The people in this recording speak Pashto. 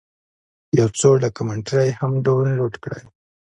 یو څو ډاکمنټرۍ هم ډاونلوډ کړې.